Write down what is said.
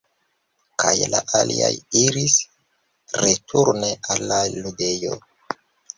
Kaj la aliaj iris returne al la ludejo.